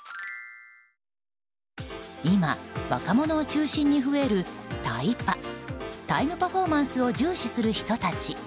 今、若者を中心に増えるタイパタイムパフォーマンスを重視する人たち。